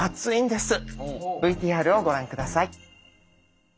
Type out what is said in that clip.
ＶＴＲをご覧下さい。